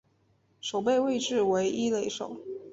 守备位置为一垒手。